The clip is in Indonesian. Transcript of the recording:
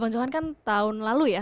bang johan kan tahun lalu ya